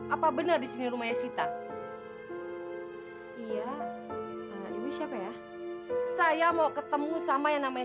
apa benar disini rumahnya sita iya ibu siapa ya saya mau ketemu sama yang namanya